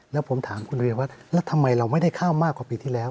แล้วผมถามคุณเรืองว่าแล้วทำไมเราไม่ได้เข้ามากกว่าปีที่แล้ว